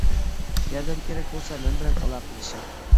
ياردەم كېرەك بولسا مەن بىلەن ئالاقىلىشىڭ.